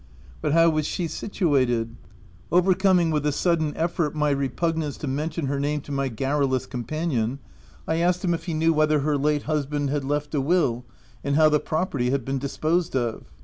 But how was she situated ? Overcoming with a sudden effort my repugnance to mention her name to my gar rulous companion, I asked him if he knew whether her late husband had left a will, and how the property had been disposed of.